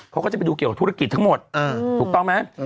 เขาก็จะไปดูเกี่ยวกับธุรกิจทั้งหมดถูกต้องไหม